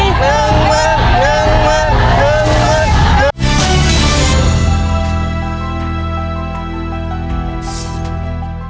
ยังมันยังมันยังมัน